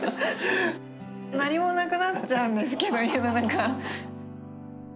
何もなくなっちゃうんですけど家の中。